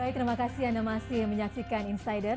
baik terima kasih anda masih menyaksikan insider